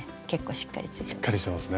しっかりしてますね。